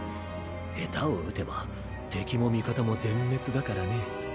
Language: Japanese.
下手を打てば敵も味方も全滅だからね。